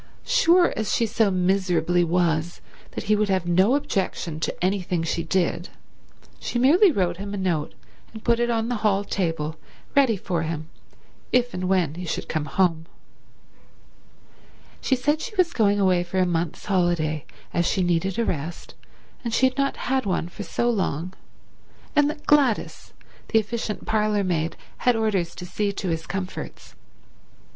Sure as she so miserably was that he would have no objection to anything she did, she merely wrote him a note and put it on the hall table ready for him if and when he should come home. She said she was going for a month's holiday as she needed a rest and she had not had one for so long, and that Gladys, the efficient parlourmaid, had orders to see to his comforts.